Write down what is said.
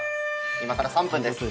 今から３分です。